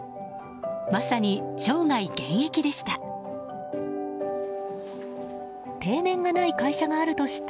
まさに生涯現役でした。